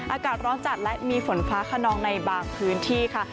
อากาศร้อนจัดและมีฝนฟ้าขนองในบางพื้นที่ค่ะ